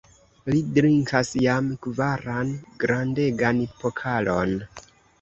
Li drinkas jam kvaran grandegan pokalon!